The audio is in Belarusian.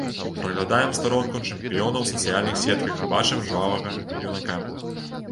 Праглядаем старонку чэмпіёна ў сацыяльных сетках і бачым жвавага юнака.